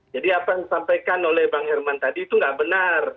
jadi apa yang disampaikan oleh bang herman tadi itu tidak benar